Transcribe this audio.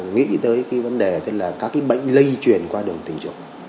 nghĩ tới cái vấn đề tức là các cái bệnh lây truyền qua đường tình trục